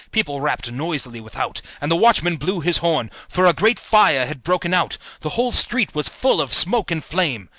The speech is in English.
People rapped noisily without, and the watchman blew his horn, for a great fire had broken out the whole street was full of smoke and flame.